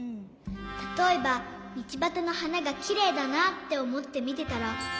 たとえばみちばたのはながきれいだなっておもってみてたら。